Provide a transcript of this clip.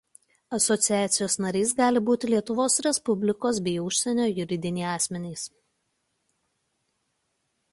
Asociacijos nariais gali būti Lietuvos Respublikos bei užsienio juridiniai asmenys.